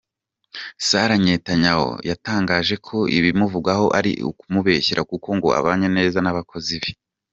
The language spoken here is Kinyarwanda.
Sara Netanyahu yatangaje ko ibimuvugwaho ari ukumubeshyera, kuko ngo abanye neza n’abakozi be.